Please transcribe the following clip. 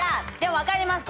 分かります。